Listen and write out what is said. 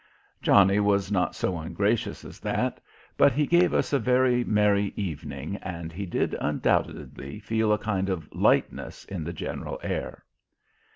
Johnny was not so ungracious as that, but he gave us a very merry evening and he did undoubtedly feel a kind of lightness in the general air.